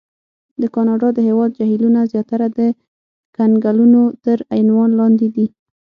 د کاناډا د هېواد جهیلونه زیاتره د کنګلونو تر عنوان لاندې دي.